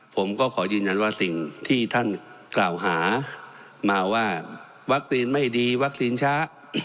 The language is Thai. ผมก็ขอยืนยันว่าสิ่งที่ท่านกล่าวหามาว่าวัคซีนไม่ดีวัคซีนช้า